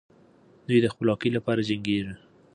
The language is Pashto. دوی د خپلواکۍ لپاره جنګېږي.